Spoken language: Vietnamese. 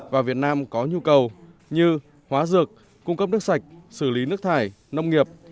và việt nam có nhu cầu như hóa dược cung cấp nước sạch xử lý nước thải nông nghiệp